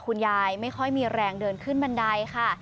ไม่ค่อยมีแรงเดินขึ้นบันไดค่ะ